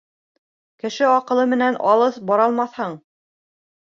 Кеше аҡылы менән алыҫ баралмаҫһың.